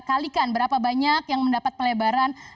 kalikan berapa banyak yang mendapat pelebaran